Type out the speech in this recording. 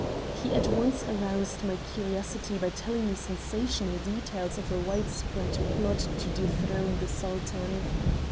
"He at once aroused my curiosity by telling me sensational details of a widespread plot to dethrone the Sultan.